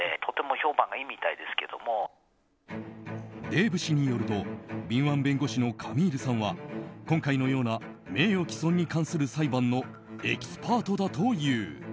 デーブ氏によると敏腕弁護士のカミールさんは今回のような名誉毀損に関する裁判のエキスパートだという。